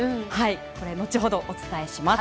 後ほどお伝えします。